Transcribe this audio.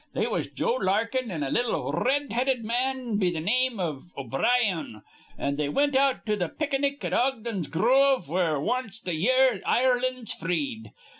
They was Joe Larkin an' a little r red headed man be th' name iv O'Brien, an' they wint out to th' picanic at Ogden's grove, where wanst a year Ireland's freed.